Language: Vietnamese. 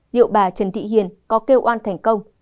liệu bà trần thị hiền có kêu oan thành công